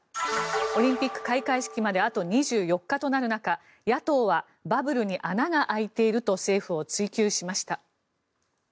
オリンピック開会式まであと２４日となる中野党はバブルに穴が開いていると政府を追及しました。